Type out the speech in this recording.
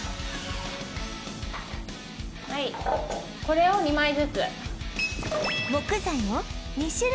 これを２枚ずつ。